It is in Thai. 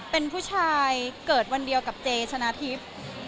เป็นผู้ชายเกิดวันเดียวกับเจชนะทิพย์